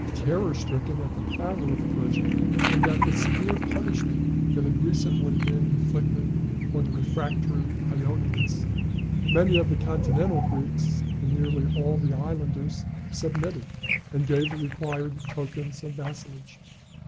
Terror stricken at the power of Persia and at the severe punishment that had recently been inflicted on the refractory Ionians, many of the continental Greeks and nearly all the islanders submitted, and gave the required tokens of vassalage.